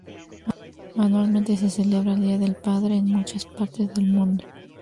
Anualmente se celebra el Día del Padre en muchas partes del mundo.